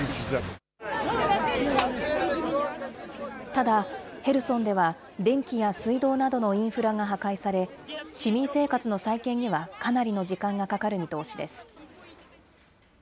ただ、ヘルソンでは電気や水道などのインフラが破壊され、市民生活の再建にはかなりの時間がかかる見通しです。